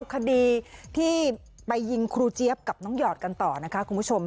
คดีที่ไปยิงครูเจี๊ยบกับน้องหยอดกันต่อนะคะคุณผู้ชม